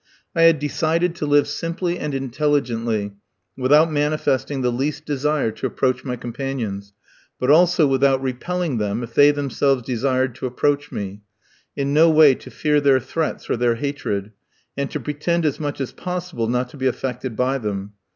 I had decided to live simply and intelligently, without manifesting the least desire to approach my companions; but also without repelling them, if they themselves desired to approach me; in no way to fear their threats or their hatred; and to pretend as much as possible not to be affected by them.